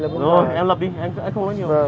rồi em lập đi